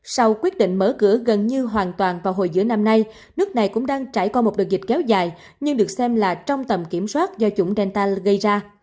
sau quyết định mở cửa gần như hoàn toàn vào hồi giữa năm nay nước này cũng đang trải qua một đợt dịch kéo dài nhưng được xem là trong tầm kiểm soát do chủng delta gây ra